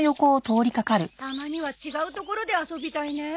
たまには違う所で遊びたいね。